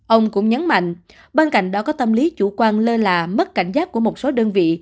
ông cũng nhấn mạnh bên cạnh đó có tâm lý chủ quan lơ là mất cảnh giác của một số đơn vị